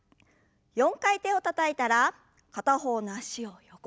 ４回手をたたいたら片方の脚を横に。